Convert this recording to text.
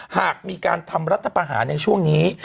หากมีการทำรัฐประหารในช่วงนี้